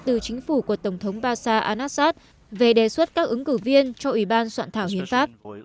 từ chính phủ của tổng thống bashar al assad về đề xuất các ứng cử viên cho ủy ban soạn thảo hiến pháp